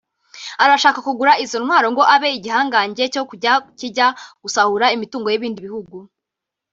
Arashaka kugra izo ntwaro ngo abe igihangange cyo kujya kijya gusahura imitungo y’ibindi bihugu